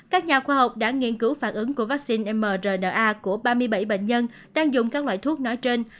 các nhà khoa học đã nghiên cứu phản ứng của vaccine mrna của ba mươi bảy bệnh nhân đang dùng các loại thuốc nói trên